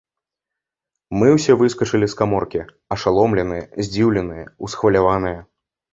Мы ўсе выскачылі з каморкі, ашаломленыя, здзіўленыя, усхваляваныя.